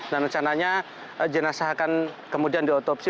dan rencananya jenazah akan kemudian diotopsi